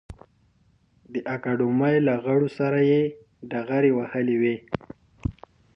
د اکاډمۍ له غړو سره یې ډغرې وهلې وې.